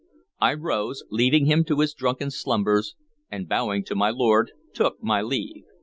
I rose, leaving him to his drunken slumbers, and, bowing to my lord, took my leave.